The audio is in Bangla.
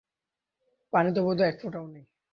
পানি তো বোধহয় এক ফোটাও নেই।